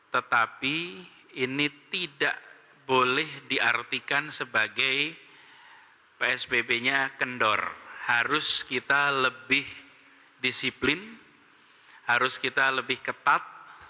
tetapi ini tidak menunjukkan